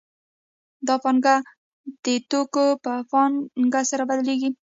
دا پانګه د توکو په پانګه سره بدلېږي